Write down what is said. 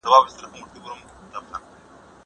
کېدای سي موسيقي خراب وي!!